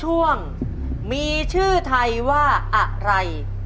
ช่วงมีชื่อไทยว่าอะไร